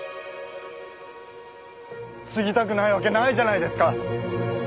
継ぎたくないわけないじゃないですか！